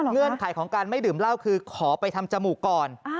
เงื่อนไขของการไม่ดื่มเหล้าคือขอไปทำจมูกก่อน